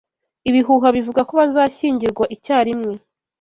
Ibihuha bivuga ko bazashyingirwa icyarimwe